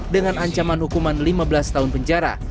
dengan ancaman hukuman lima belas tahun penjara